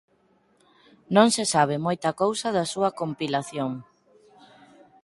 Non se sabe moita cousa da súa compilación.